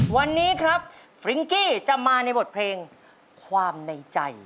วันนี้ครับฟริ้งกี้จะมาในบทเพลงความในใจ